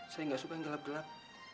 saya nggak suka yang gelap gelap